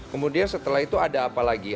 kemudian setelah itu ada apa lagi